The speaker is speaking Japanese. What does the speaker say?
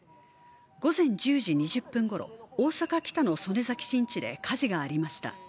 午前１０時２０分ごろ大阪キタの曽根崎新地で火事がありました。